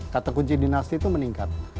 kata kunci dinasti itu meningkat